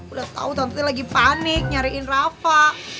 udah tau tante lagi panik nyariin rafa